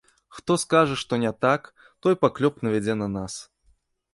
Хто скажа, што не так, той паклёп навядзе на нас.